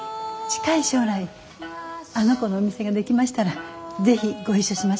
近い将来あの子のお店が出来ましたら是非ご一緒しましょう。